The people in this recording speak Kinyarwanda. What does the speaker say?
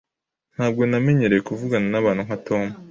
Ntabwo namenyereye kuvugana nabantu nka Tom.